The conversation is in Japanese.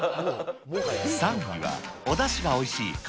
３位は、おだしがおいしい